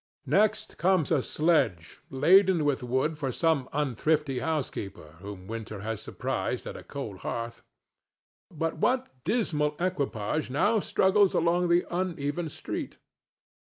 Next comes a sledge laden with wood for some unthrifty housekeeper whom winter has surprised at a cold hearth. But what dismal equipage now struggles along the uneven street?